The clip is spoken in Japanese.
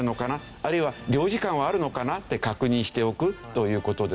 あるいは領事館はあるのかな？って確認しておくという事ですよね。